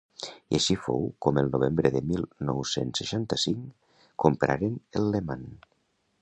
I així fou com el novembre de mil nou-cents seixanta-cinc compraren el Leman.